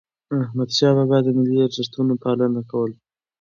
احمد شاه بابا د ملي ارزښتونو پالنه کوله.